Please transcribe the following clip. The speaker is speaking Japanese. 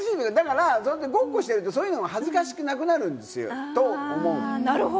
ごっこをしてると、そういうのが恥ずかしくなくなるんですよ、と思う。